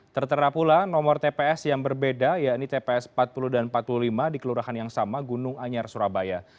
tertera pula nomor tps yang berbeda yakni tps empat puluh dan empat puluh lima di kelurahan yang sama gunung anyar surabaya